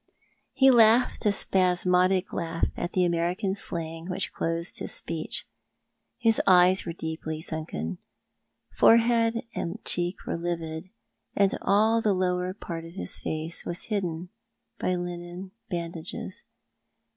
lie laughed a spasmodic laugh at the American slang which closed his speech. His eyes were deeply sunken. Forehead and cheek were livid, and all the lower part of the fice was hidden by linen bandages.